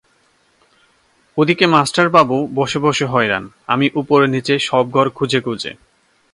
ওদিকে মাস্টারবাবু বসে বসে হয়রান, আমি ওপর নিচে সব ঘর খুঁজে খুঁজে।